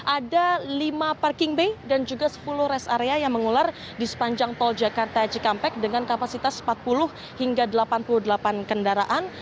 ada lima parking bay dan juga sepuluh rest area yang mengular di sepanjang tol jakarta cikampek dengan kapasitas empat puluh hingga delapan puluh delapan kendaraan